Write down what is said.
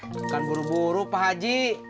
bukan buru buru pak haji